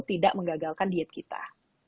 tidak mengagalkan diet kita